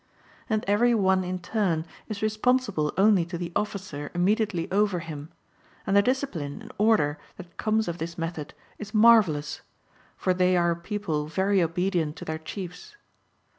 And every one in turn is responsible only to the officer immediately over him ; and the discipline and order that comes of this method is mar vellous, for they are a people very obedient to their chiefs.